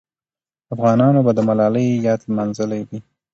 افغانانو به د ملالۍ یاد لمانځلی وي.